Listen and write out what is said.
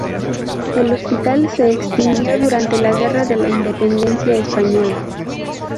El hospital se extinguió durante la Guerra de la Independencia Española.